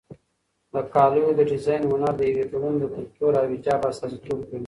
د کالیو د ډیزاین هنر د یوې ټولنې د کلتور او حجاب استازیتوب کوي.